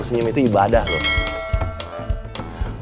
senyum itu ibadah loh